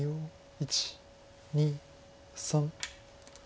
１２３。